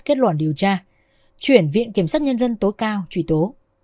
kết luận điều tra chuyển viện kiểm soát nhân dân tố cao trùy tố